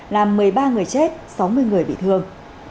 làm một mươi ba người chết sáu mươi người bị thương